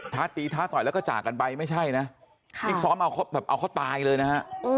ตีท้าต่อยแล้วก็จากกันไปไม่ใช่นะนี่ซ้อมเอาแบบเอาเขาตายเลยนะฮะ